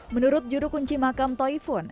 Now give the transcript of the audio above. menurut juru kunci makam toifun